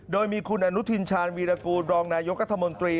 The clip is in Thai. โดยมีคุณอนุทินชาญวีรกูลรองนายกรัฐมนตรี